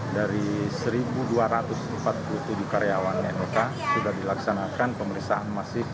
dari satu dua ratus empat puluh tujuh karyawan nuk sudah dilaksanakan pemeriksaan masif